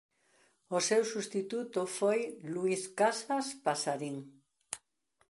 O seu substituto foi Luís Casas Pasarín.